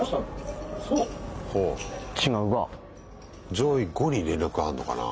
上位５に連絡あんのかな？